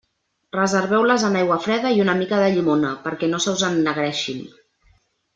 Reserveu-les en aigua freda i una mica de llimona, perquè no se us ennegreixin.